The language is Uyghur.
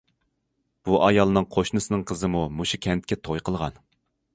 بۇ ئايالنىڭ قوشنىسىنىڭ قىزىمۇ مۇشۇ كەنتكە توي قىلغان.